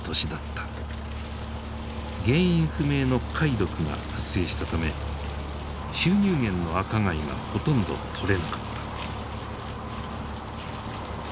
原因不明の貝毒が発生したため収入源の赤貝がほとんど取れなかった。